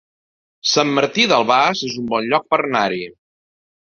Sant Martí d'Albars es un bon lloc per anar-hi